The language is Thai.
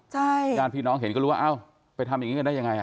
ใช่ยานพี่น้องเห็นก็รู้ว่าไปทำอย่างนี้กันได้อย่างไร